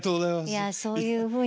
いやそういうふうに。